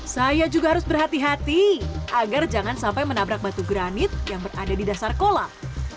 saya juga harus berhati hati agar jangan sampai menabrak batu granit yang berada di dasar kolam